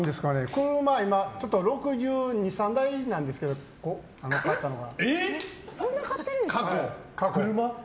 車、今６２６３台なんですけど買ったのが。